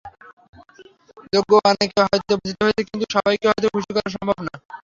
যোগ্য অনেকে হয়তো বঞ্চিত হয়েছে, কিন্তু সবাইকে হয়তো খুশি করা সম্ভব না।